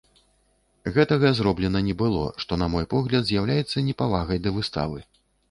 Гэтага зроблена не было, што, на мой погляд, з'яўляецца непавагай да выставы.